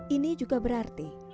ini juga berarti